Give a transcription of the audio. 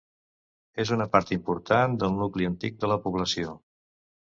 És una part important del nucli antic de la població.